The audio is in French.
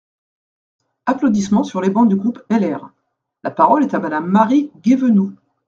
(Applaudissements sur les bancs du groupe LR.) La parole est à Madame Marie Guévenoux.